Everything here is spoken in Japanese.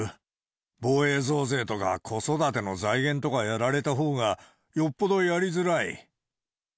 防衛増税とか子育ての財源とかやられたほうがよっぽどやりづらい。